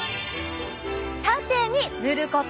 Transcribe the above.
タテに塗ること。